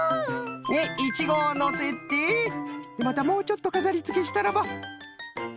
でイチゴをのせてまたもうちょっとかざりつけしたらば。